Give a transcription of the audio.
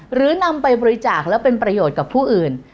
หรือนำไปบริจาคและเป็นประโยชน์กับผู้อื่น